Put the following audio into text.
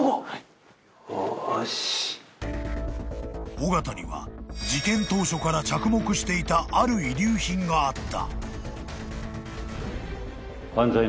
［緒方には事件当初から着目していたある遺留品があった］